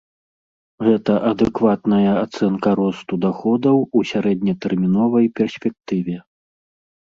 Гэта адэкватная ацэнка росту даходаў у сярэднетэрміновай перспектыве.